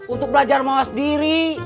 untuk belajar mewas diri